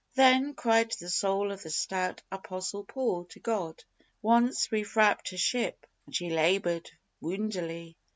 Then cried the soul of the stout Apostle Paul to God: "Once we frapped a ship, and she laboured woundily.